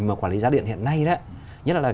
mà quản lý giá điện hiện nay đó nhất là